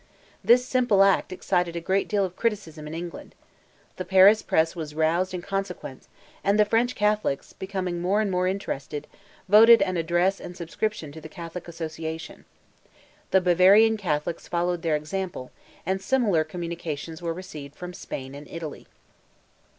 This simple act excited a great deal of criticism in England. The Paris press was roused in consequence, and the French Catholics, becoming more and more interested, voted an address and subscription to the Catholic Association. The Bavarian Catholics followed their example, and similar communications were received from Spain and Italy.